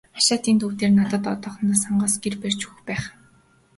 Хашаатын төв дээр надад одоохондоо сангаас гэр барьж өгөх байх.